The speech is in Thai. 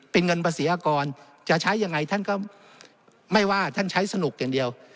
เป็นเงินภาษีอากรจะใช้ยังไงท่านก็ไม่ว่าท่านใช้สนุกอย่างเดียว